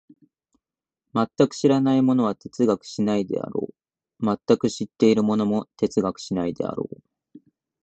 全く知らない者は哲学しないであろう、全く知っている者も哲学しないであろう。